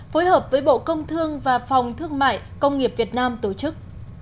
phối hợp với bộ công thương và phòng thương mại công nghiệp việt nam tổ chức